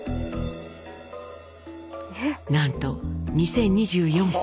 なんと２，０２４件。